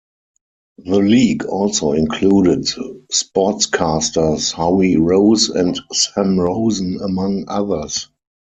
The league also included sportscasters Howie Rose and Sam Rosen, among others.